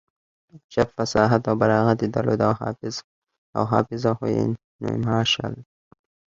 عجب فصاحت او بلاغت يې درلود او حافظه خو يې نو ماشاالله.